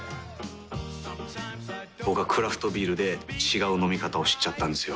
僕はクラフトビールで違う飲み方を知っちゃったんですよ。